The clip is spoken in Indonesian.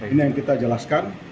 ini yang kita jelaskan